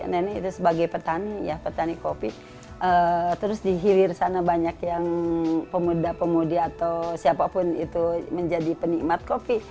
nenek itu sebagai petani ya petani kopi terus di hilir sana banyak yang pemuda pemudi atau siapapun itu menjadi penikmat kopi